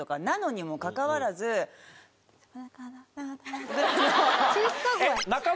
なのにもかかわらず○△□×☆